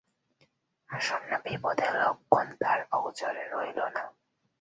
আসন্ন বিপদের লক্ষণ তাঁর অগোচর রহিল না।